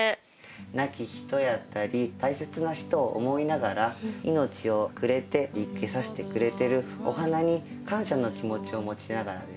亡き人やったり大切な人を思いながら命をくれて生けさせてくれてるお花に感謝の気持ちを持ちながらですね